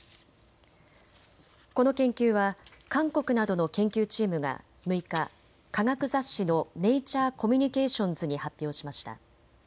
この研究は韓国などの研究チームが６日、科学雑誌のネイチャー・コミュニケーションズに発表しました。